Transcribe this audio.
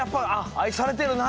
「あいされてるな」